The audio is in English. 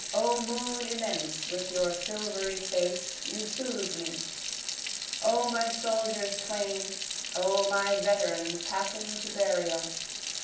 O moon immense with your silvery face you soothe me! O my soldiers twain! O my veterans passing to burial!